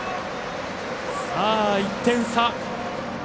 １点差。